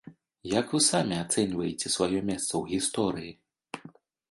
Як вы самі ацэньваеце сваё месца ў гісторыі?